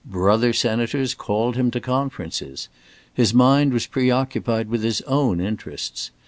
Brother senators called him to conferences. His mind was pre occupied with his own interests.